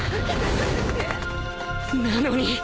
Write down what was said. なのに